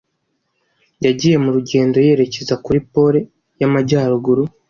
Yagiye mu rugendo yerekeza kuri Pole y'Amajyaruguru.